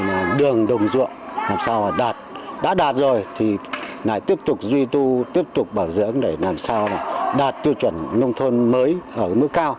cơ sở hạ tầng đường ngõ đường đồng ruộng làm sao đạt đã đạt rồi thì lại tiếp tục duy tu tiếp tục bảo dưỡng để làm sao đạt tiêu chuẩn nông thôn mới ở mức cao